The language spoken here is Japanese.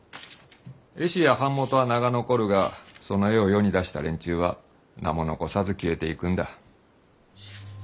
絵師や版元は名が残るがその絵を世に出した連中は名も残さず消えていくんだ。